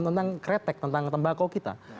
tentang kretek tentang tembakau kita